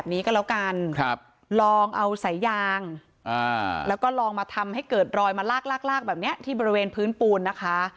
นี้ก็แล้วกันลองเอาสายยางแล้วก็ลองมาทำให้เกิดรอยมาลากลากแบบนี้ที่บริเวณพื้นปูนนะคะ